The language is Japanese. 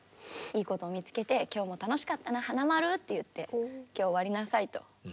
いいことを見つけて「今日も楽しかったな花丸」って言って今日を終わりなさいと。